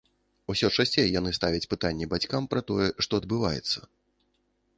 Усё часцей яны ставяць пытанні бацькам пра тое, што адбываецца.